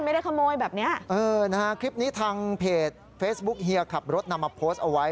ไม่ได้ขโมยแบบเนี้ยเออนะฮะคลิปนี้ทางเพจเฟซบุ๊คเฮียขับรถนำมาโพสต์เอาไว้